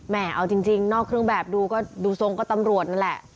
เอาจริงนอกเครื่องแบบดูก็ดูทรงก็ตำรวจนั่นแหละ